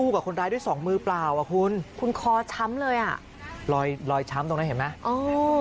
กับคนร้ายด้วยสองมือเปล่าอ่ะคุณคุณคอช้ำเลยอ่ะรอยรอยช้ำตรงนั้นเห็นไหมอ๋อ